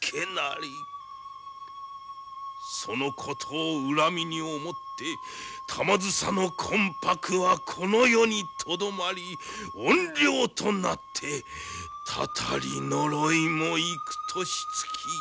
そのことを恨みに思って玉梓の魂ぱくはこの世にとどまり怨霊となって祟り呪いも幾年月。